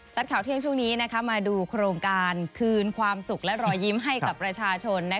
ข่าวเที่ยงช่วงนี้มาดูโครงการคืนความสุขและรอยยิ้มให้กับประชาชน